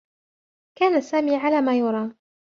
كان سامي على ما يُرام.